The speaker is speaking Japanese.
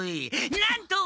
なんと！